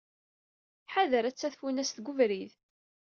Ḥader, atta tfunast deg ubrid.